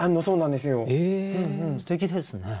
すてきですね。